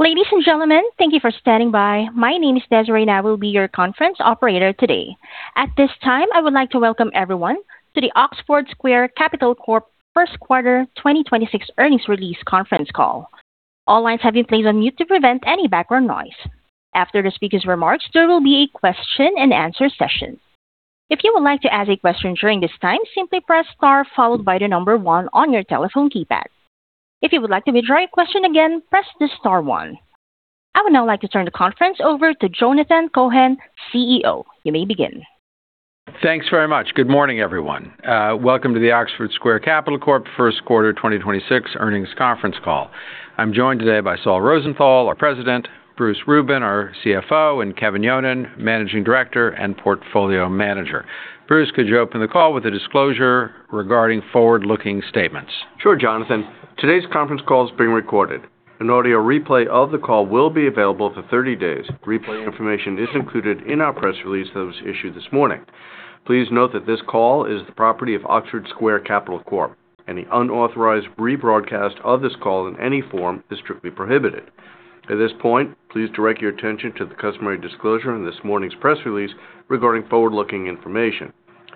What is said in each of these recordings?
Ladies and gentlemen, thank you for standing by. My name is Desiree, and I will be your conference operator today. At this time, I would like to welcome everyone to the Oxford Square Capital Corp First Quarter 2026 earnings release conference call. All lines have been placed on mute to prevent any background noise. After the speaker's remarks, there will be a question and answer session. If you would like to ask a question during this time, simply press star followed by the number one, on your telephone keypad. If you would like to withdraw your question again, press the star one. I would now like to turn the conference over to Jonathan H. Cohen, CEO. You may begin. Thanks very much. Good morning, everyone. Welcome to the Oxford Square Capital Corp First Quarter 2026 earnings conference call. I'm joined today by Saul Rosenthal, our President, Bruce Rubin, our CFO, and Kevin Yonan, Managing Director and Portfolio Manager. Bruce, could you open the call with a disclosure regarding forward-looking statements? Sure, Jonathan. Today's conference call is being recorded. An audio replay of the call will be available for 30 days. Replay information is included in our press release that was issued this morning. Please note that this call is the property of Oxford Square Capital Corp. Any unauthorized rebroadcast of this call in any form is strictly prohibited. At this point, please direct your attention to the customary disclosure in this morning's press release regarding forward-looking information.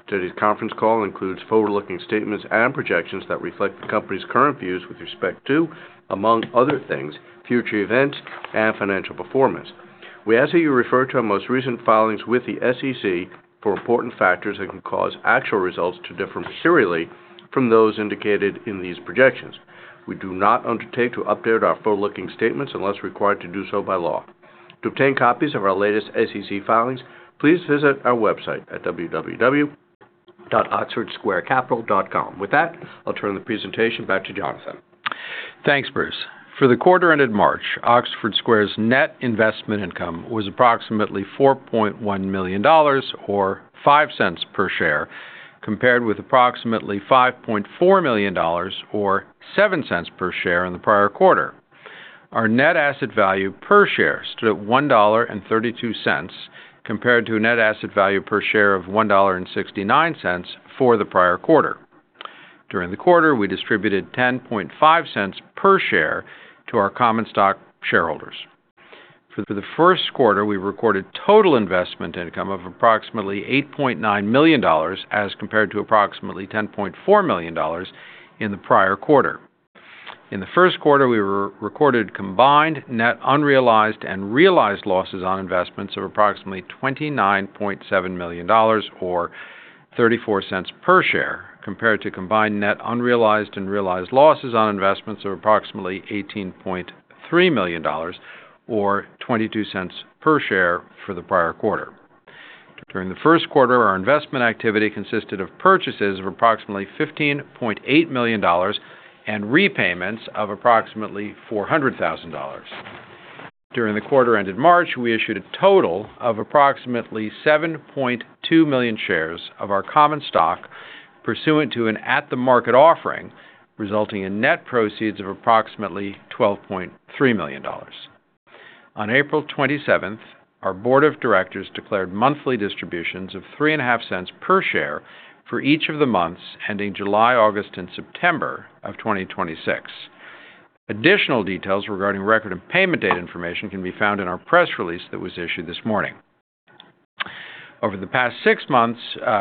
Today's conference call includes forward-looking statements and projections that reflect the company's current views with respect to, among other things, future events and financial performance. We ask that you refer to our most recent filings with the SEC for important factors that can cause actual results to differ materially from those indicated in these projections. We do not undertake to update our forward-looking statements unless we're required to do so by law. To obtain copies of our latest SEC filings, please visit our website at www.oxfordsquarecapital.com. With that, I'll turn the presentation back to Jonathan. Thanks, Bruce. For the quarter ended March, Oxford Square's Net Investment Income was approximately $4.1 million or $0.05 per share, compared with approximately $5.4 million or $0.07 per share in the prior quarter. Our Net Asset Value per share stood at $1.32 compared to a Net Asset Value per share of $1.69 for the prior quarter. During the quarter, we distributed $0.105 per share to our common stock shareholders. For the first quarter, we recorded total investment income of approximately $8.9 million as compared to approximately $10.4 million in the prior quarter. In the first quarter, we re-recorded combined net unrealized and realized losses on investments of approximately $29.7 million or $0.34 per share, compared to combined net unrealized and realized losses on investments of approximately $18.3 million or $0.22 per share for the prior quarter. During the first quarter, our investment activity consisted of purchases of approximately $15.8 million and repayments of approximately $400,000. During the quarter ended March, we issued a total of approximately 7.2 million shares of our common stock pursuant to an at-the-market offering, resulting in net proceeds of approximately $12.3 million. On April 27th, our board of directors declared monthly distributions of $0.035 per share for each of the months ending July, August, and September of 2026. Additional details regarding record and payment date information can be found in our press release that was issued this morning. Over the past six months,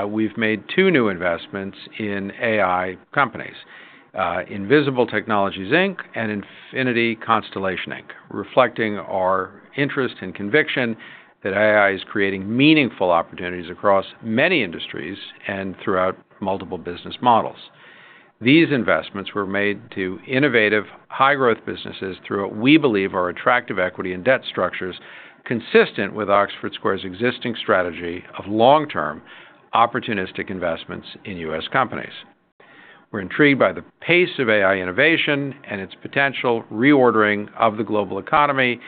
we've made two new investments in AI companies, Invisible Technologies Inc. and Infinity Constellation Inc., reflecting our interest and conviction that AI is creating meaningful opportunities across many industries and throughout multiple business models. These investments were made to innovative, high-growth businesses through what we believe are attractive equity and debt structures consistent with Oxford Square's existing strategy of long-term opportunistic investments in U.S. companies. We're intrigued by the pace of AI innovation and its potential reordering of the global economy.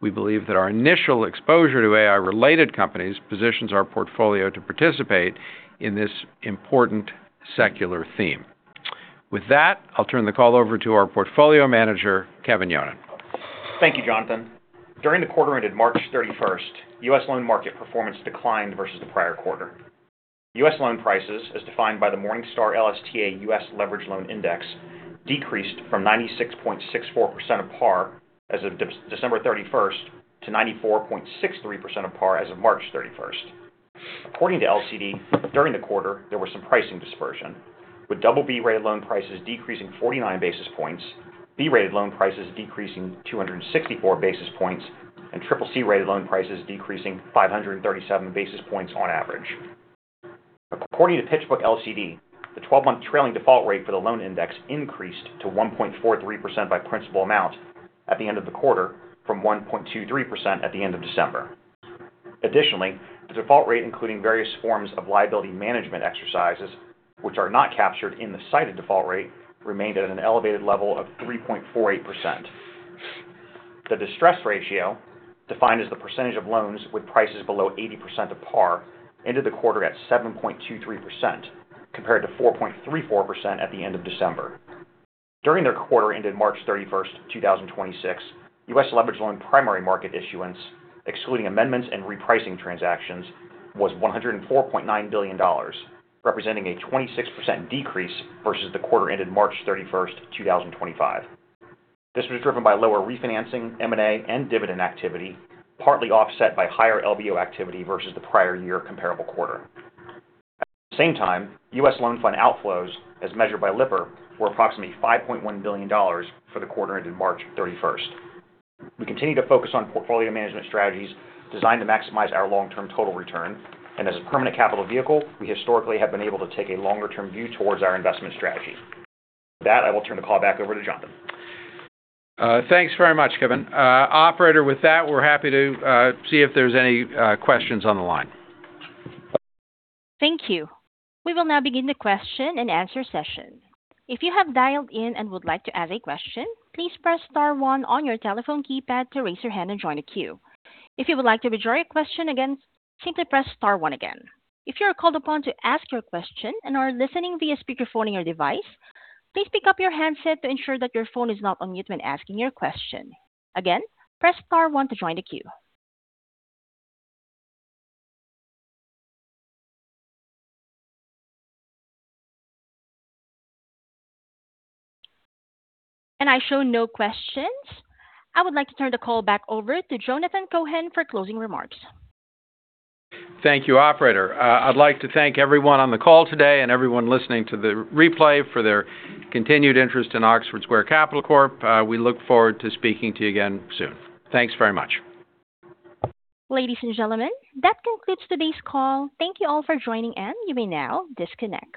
We believe that our initial exposure to AI-related companies positions our portfolio to participate in this important secular theme. With that, I'll turn the call over to our portfolio manager, Kevin Yonan. Thank you, Jonathan. During the quarter ended March 31st, U.S. loan market performance declined versus the prior quarter. U.S. loan prices, as defined by the Morningstar LSTA US Leveraged Loan Index, decreased from 96.64% of par as of December 31st to 94.63% of par as of March 31st. According to LCD, during the quarter, there was some pricing dispersion, with double B-rated loan prices decreasing 49 basis points, B-rated loan prices decreasing 264 basis points, and triple C-rated loan prices decreasing 537 basis points on average. According to PitchBook LCD, the 12-month trailing default rate for the loan index increased to 1.43% by principal amount at the end of the quarter from 1.23% at the end of December. Additionally, the default rate, including various forms of liability management exercises, which are not captured in the cited default rate, remained at an elevated level of 3.48%. The distress ratio, defined as the percentage of loans with prices below 80% of par, ended the quarter at 7.23% compared to 4.34% at the end of December. During the quarter ended March 31st, 2026, U.S. leverage loan primary market issuance, excluding amendments and repricing transactions, was $104.9 billion, representing a 26% decrease versus the quarter ended March 31st, 2025. This was driven by lower refinancing, M&A, and dividend activity, partly offset by higher LBO activity versus the prior year comparable quarter. At the same time, U.S. loan fund outflows, as measured by Lipper, were approximately $5.1 billion for the quarter ended March 31st. We continue to focus on portfolio management strategies designed to maximize our long-term total return. As a permanent capital vehicle, we historically have been able to take a longer-term view towards our investment strategy. With that, I will turn the call back over to Jonathan. Thanks very much, Kevin. Operator, with that, we're happy to see if there's any questions on the line. Thank you. We will now begin the question and answer session. If you have dialed in and would like to ask a question, please press star one on your telephone keypad to raise your hand and join the queue. If you would like to withdraw your question again, simply press star one again. If you are called upon to ask your question and are listening via speakerphone in your device, please pick up your handset to ensure that your phone is not on mute when asking your question. Again, press star one to join the queue. I show no questions. I would like to turn the call back over to Jonathan Cohen for closing remarks. Thank you, operator. I'd like to thank everyone on the call today and everyone listening to the replay for their continued interest in Oxford Square Capital Corp. We look forward to speaking to you again soon. Thanks very much. Ladies and gentlemen, that concludes today's call. Thank you all for joining, and you may now disconnect.